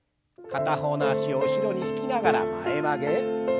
片方の脚を後ろに引きながら前曲げ。